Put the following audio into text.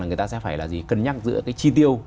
người ta sẽ phải là gì cân nhắc giữa cái chi tiêu